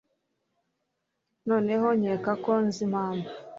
noneho nkeka ko nzi impamvu